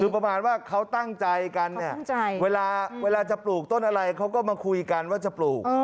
คือประมาณว่าเขาตั้งใจกันเนี่ยเวลาจะปลูกต้นอะไรเขาก็มาคุยกันว่าจะปลูก